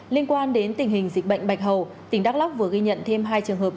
liên quan đến tình hình dịch bệnh bạch hầu tỉnh đắk lóc vừa ghi nhận thêm hai trường hợp